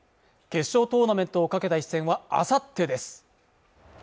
決勝トーナメントをかけた一戦はあさってです